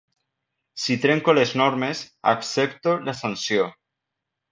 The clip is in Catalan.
Si trenco les normes, accepto la sanció.